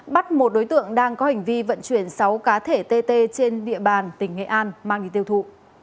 bắt một đối tượng đang có hành vi vận chuyển sáu cá thể tt trên địa bàn tỉnh nghệ an mang đi tiêu thụ